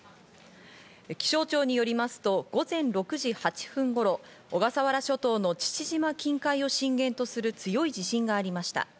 気象庁によりますと午前６時８分頃、小笠原諸島の父島近海を震源とする強い地震がありました。